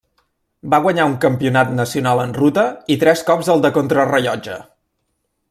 Va guanyar un Campionat nacional en ruta i tres cops el de contrarellotge.